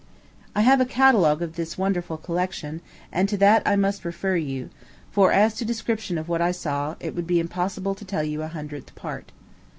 I have a catalogue of this wonderful collection, and to that I must refer you; for, as to description of what I saw, it would be impossible to tell you a hundredth part.